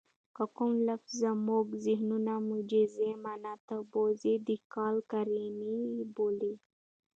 که کوم لفظ زمونږ ذهنونه مجازي مانا ته بوځي؛ د قال قرینه ئې بولي.